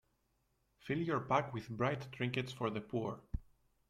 Fill your pack with bright trinkets for the poor.